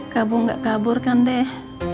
kabur gak kabur kan deh